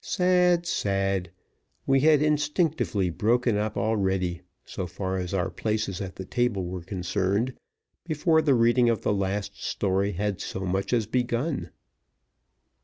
Sad! sad! we had instinctively broken up already, so far as our places at the table were concerned, before the reading of the last story had so much as begun.